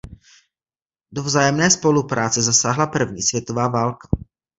Do vzájemné spolupráce zasáhla první světová válka.